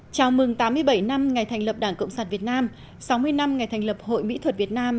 chào mừng tám mươi bảy năm ngày thành lập đảng cộng sản việt nam sáu mươi năm ngày thành lập hội mỹ thuật việt nam